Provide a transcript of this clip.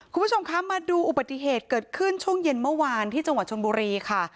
คุณผู้ชมคะมาดูอุบัติเหตุเกิดขึ้นช่วงเย็นเมื่อวานที่จังหวัดชนบุรีค่ะ